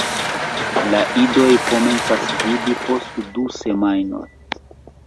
La idoj komencas vidi post du semajnoj.